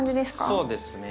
そうですね。